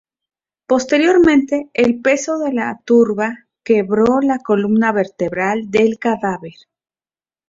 Posteriormente, el peso de la turba quebró la columna vertebral del cadáver.